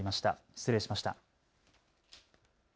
失礼しました。